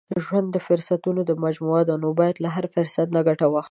• ژوند د فرصتونو مجموعه ده، نو باید له هر فرصت نه ګټه واخلې.